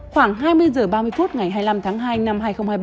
khoảng hai mươi h ba mươi phút ngày hai mươi năm tháng hai năm hai nghìn hai mươi ba